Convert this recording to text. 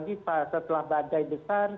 misal kerja wabah bisa ngaruhanku ter fears